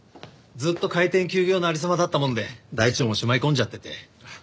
ずっと開店休業の有り様だったもんで台帳もしまい込んじゃってて。